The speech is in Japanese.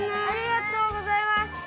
ありがとうございます。